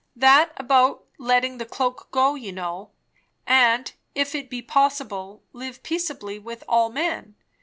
That about letting the cloak go, you know; and, 'If it be possible, ... live peaceably with all men.'